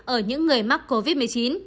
ở những người mắc covid một mươi chín